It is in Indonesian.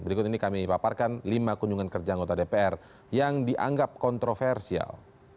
berikut ini kami paparkan lima kunjungan kerja anggota dpr yang dianggap kontroversial